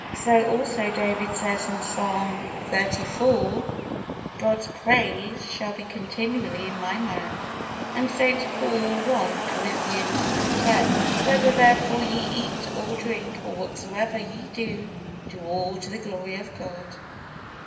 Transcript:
So also David says in Psalm xxxiv: "God's praise shall be continually in my mouth." And St. Paul, I. Corinthians x: "Whether therefore ye eat or drink, or whatsoever ye do, do all to the glory of God."